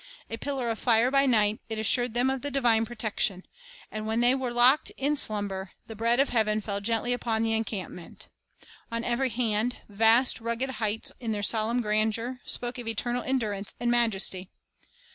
A pillar of fire by night, it assured them of the divine protection; and while they were locked in slumber, the bread of heaven fell gently upon the encampment. On every hand, vast, rugged heights, in their solemn grandeur, spoke of eternal endurance and majesty.